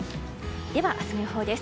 では、明日の予報です。